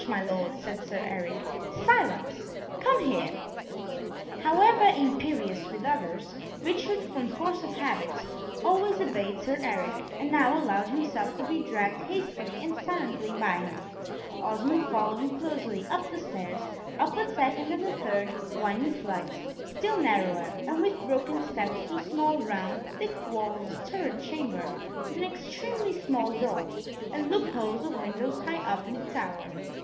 my Lord," said Sir Eric. "Silence! come here." However imperious with others, Richard from force of habit always obeyed Sir Eric, and now allowed himself to be dragged hastily and silently by him, Osmond following closely, up the stairs, up a second and a third winding flight, still narrower, and with broken steps, to a small round, thick walled turret chamber, with an extremely small door, and loop holes of windows high up in the tower.